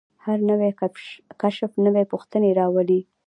هر نوی کشف نوې پوښتنې راولي.